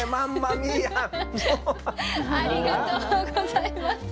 ありがとうございます。